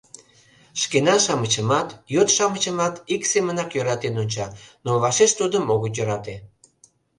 Шкенан-шамычымат, йот-шамычымат ик семынак йӧратен онча, но вашеш тудым огыт йӧрате.